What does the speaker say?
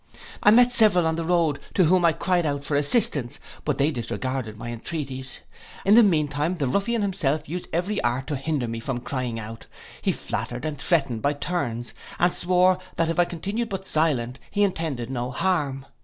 I met several on the road, to whom I cried out for assistance; but they disregarded my entreaties. In the mean time the ruffian himself used every art to hinder me from crying out: he flattered and threatened by turns, and swore that if I continued but silent, he intended no harm.